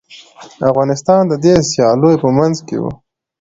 افغانستان د دې سیالیو په منځ کي و.